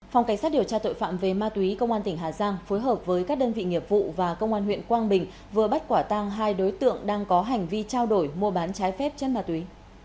phòng cảnh sát điều tra tội phạm về ma túy công an tỉnh hà giang phối hợp với các đơn vị nghiệp vụ và công an huyện quang bình vừa bắt quả tang hai đối tượng đang có hành vi trao đổi mua bán trái phép chân ma túy